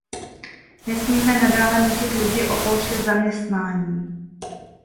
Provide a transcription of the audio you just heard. Nesmíme nadále nutit lidi opouštět zaměstnání.